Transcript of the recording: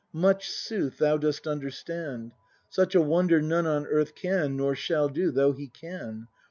Much, sooth, thou dost understand! Such a wonder none on earth Can, nor shall do, though he can!